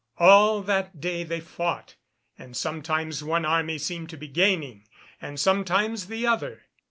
All that day they fought, and sometimes one army seemed to be gaining, and sometimes the other.